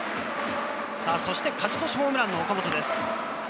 そして勝ち越しホームランの岡本です。